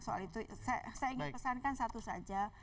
soal itu saya ingin pesankan satu saja